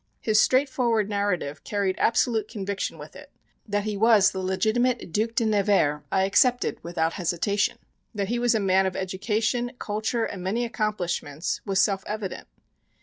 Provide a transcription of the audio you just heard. His straightforward narrative carried absolute conviction with it; that he was the legitimate Duc de Nevers I accepted without hesitation; that he was a man of education, culture and many accomplishments, was self evident.